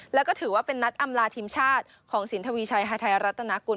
แล้วก็ถือว่าเป็นนัดอำลาทีมชาติของสินทวีชัยฮาไทยรัฐนากุล